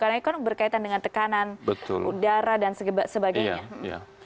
karena ini kan berkaitan dengan tekanan udara dan sebagainya